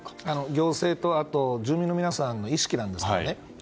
行政と住民の皆さんの意識なんですけどね。